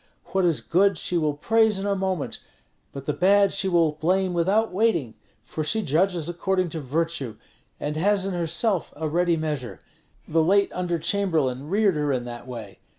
What is good she will praise in a moment, but the bad she will blame without waiting; for she judges according to virtue, and has in herself a ready measure. The late under chamberlain reared her in that way.